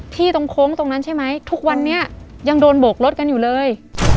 ตรงโค้งตรงนั้นใช่ไหมทุกวันนี้ยังโดนโบกรถกันอยู่เลย